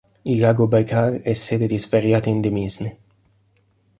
Il lago Bajkal è sede di svariati endemismi.